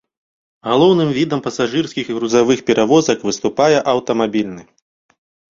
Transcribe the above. Галоўным відам пасажырскіх і грузавых перавозак выступае аўтамабільны.